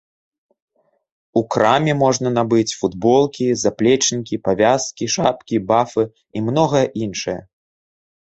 У краме можна набыць футболкі, заплечнікі, павязкі, шапкі, бафы і многае іншае.